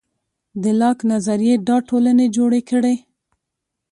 د لاک نظریې دا ټولنې جوړې کړې.